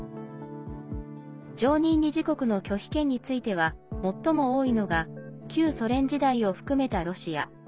常任理事国の拒否権については最も多いのが旧ソ連時代を含めたロシア。